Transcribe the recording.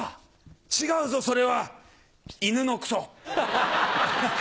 違うぞそれは犬のクソ。